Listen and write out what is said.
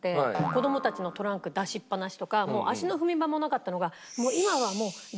子供たちのトランク出しっぱなしとかもう足の踏み場もなかったのが今はもう絨毯が広くて。